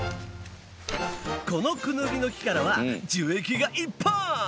このクヌギの木からは樹液がいっぱい！